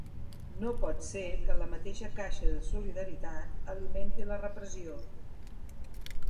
No pot ser que la mateixa caixa de solidaritat alimenti la repressió.